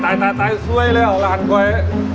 โธ่ตายสวยเลยหอรหารคอย